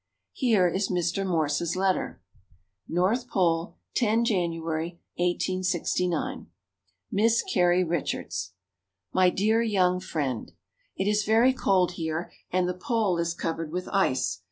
Here is Mr. Morse's letter: North Pole, 10 January 1869. Miss Carrie Richards, "My Dear Young Friend. It is very cold here and the pole is covered with ice.